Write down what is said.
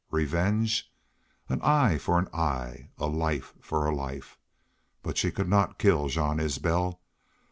Revenge! An eye for an eye! A life for a life! But she could not kill Jean Isbel.